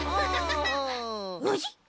ノジ！？